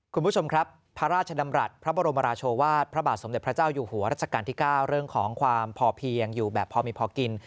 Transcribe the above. คุณผู้ชมครับพระราชดำรัฐพระบรมราชวาสพระบาทสมเด็จพระเจ้าอยู่หัวรัชกาลที่๙เรื่องของความพอเพียงอยู่แบบพอมีพอกิน